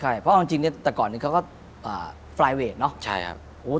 ใช่เพราะเอาจริงเนี่ยแต่ก่อนหนึ่งเขาก็ไฟล์เวทเนอะใช่ครับ